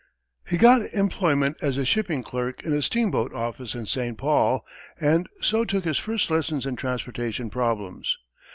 He got employment as a shipping clerk in a steamboat office in St. Paul, and so took his first lessons in transportation problems.